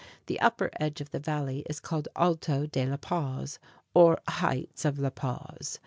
The upper edge of the valley is called the Alto de La Paz, or Heights of La Paz.